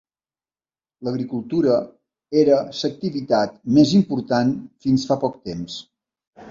L'agricultura era l'activitat més important fins fa poc temps.